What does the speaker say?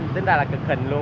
tính ra là cực hình luôn